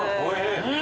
うん。